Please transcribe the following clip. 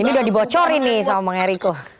ini udah dibocorin nih sama bang eriko